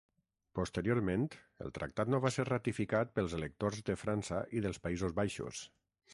Posteriorment, el tractat no va ser ratificat pels electors de França i dels Països Baixos.